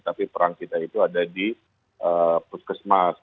tapi perang kita itu ada di puskesmas